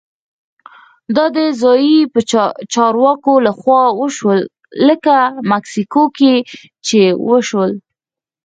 دا د ځايي چارواکو لخوا وشول لکه مکسیکو کې چې وشول.